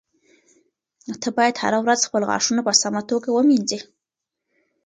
ته باید هره ورځ خپل غاښونه په سمه توګه ومینځې.